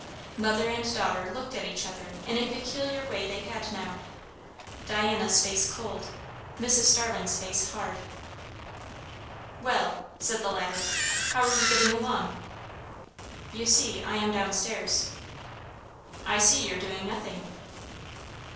Mother and daughter looked at each other in a peculiar way they had now; Diana's face cold, Mrs. Starling's face hard. "Well!" said the latter, "how are you getting along?" "You see, I am down stairs." "I see you're doing nothing."